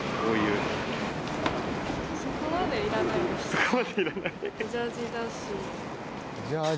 そこまでいらない？